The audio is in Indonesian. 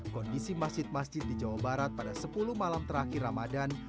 kondisi masjid masjid di jawa barat pada sepuluh malam terakhir ramadan